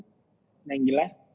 nah yang jelas